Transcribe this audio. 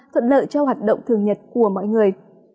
thuận lợi cho hoạt động thường nhật của mọi người